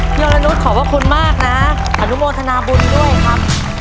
พี่ยอลนุชขอบคุณมากนะอนุโมทนาบุญด้วยครับ